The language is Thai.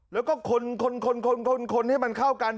แล้วก็คนให้มันเข้ากัน